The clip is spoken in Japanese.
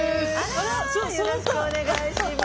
あらよろしくお願いします。